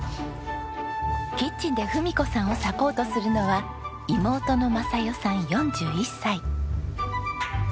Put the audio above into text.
キッチンで郁子さんをサポートするのは妹の匡世さん４１歳。